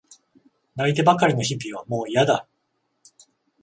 泣いてばかりの日々はもういやだ。